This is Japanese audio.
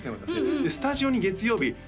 私スタジオに月曜日